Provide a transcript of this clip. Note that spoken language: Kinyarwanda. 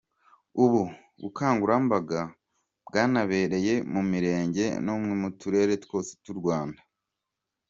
Ubu bukangurambanga bwanabereye mu mirenge no mu turere twose tw’u Rwanda.